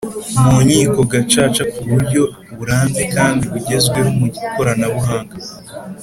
mu Nkiko Gacaca ku buryo burambye kandi bugezweho mu ikoranabuhang